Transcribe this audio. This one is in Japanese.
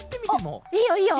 あっいいよいいよ！